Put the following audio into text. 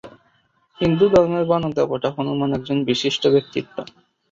হিন্দু ধর্মে বানর দেবতা হনুমান, একজন বিশিষ্ট ব্যক্তিত্ব।